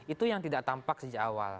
itu yang tidak tampak sejak awal